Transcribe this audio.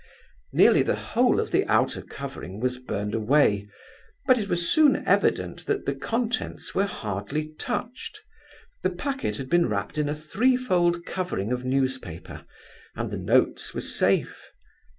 Nearly the whole of the outer covering was burned away, but it was soon evident that the contents were hardly touched. The packet had been wrapped in a threefold covering of newspaper, and the notes were safe.